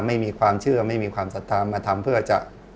ไม่มีความเชื่อไม่มีความศรัทธามาทำเพื่อจะ